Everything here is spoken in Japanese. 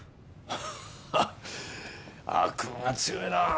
ハハッ悪運が強いな。